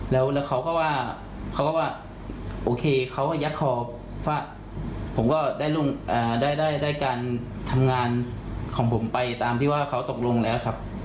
แล้วเขาก็ว่าเขาก็ว่าโอเคเขาก็ยัดคอฟาดผมก็ได้การทำงานของผมไปตามที่ว่าเขาตกลงแล้วครับ